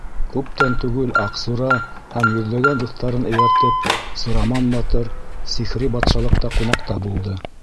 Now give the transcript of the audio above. Күптән түгел Аҡсура һәм йөҙләгән дуҫтарын эйәртеп Сураман батыр сихри батшалыҡта ҡунаҡта булды.